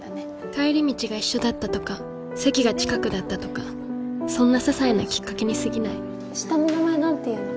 帰り道が一緒だったとか席が近くだったとかそんなささいなきっかけにすぎない下の名前なんていうの？